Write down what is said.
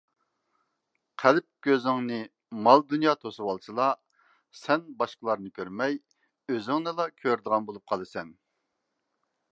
قەلب كۆزۈڭنى مال-دۇنيا توسۇۋالسىلا، سەن باشقىلارنى كۆرمەي ئۆزۈڭنىلا كۆرىدىغان بولۇپ قالىسەن.